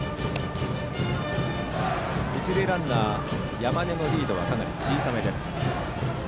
一塁ランナー、山根のリードはかなり小さめです。